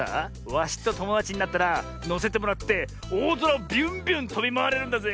ワシとともだちになったらのせてもらっておおぞらをビュンビュンとびまわれるんだぜ。